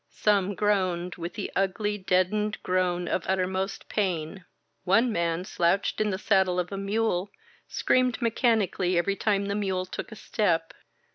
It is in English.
Some groaned, with the ugly, deadened groan of ut termost pain ; one man, slouched in the saddle of a mule, screamed mechanically every time the mule took a step.